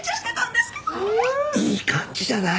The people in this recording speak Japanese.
いい感じじゃない？